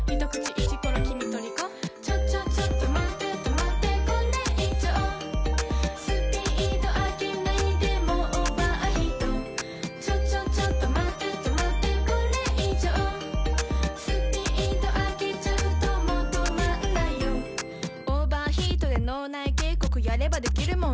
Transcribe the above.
イチコロ君、トリコちょちょちょっとまって止まってこれ以上スピード上げないでもうオーバーヒートちょちょちょっとまって止まってこれ以上スピード上げちゃうともう止まんないよオーバーヒートって脳内警告やればできるもん！